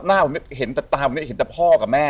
หน้าผมเห็นแต่ตาผมเนี่ยเห็นแต่พ่อกับแม่